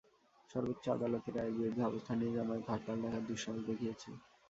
সর্বোচ্চ আদালতের রায়ের বিরুদ্ধে অবস্থান নিয়ে জামায়াত হরতাল ডাকার দুঃসাহস দেখিয়েছে।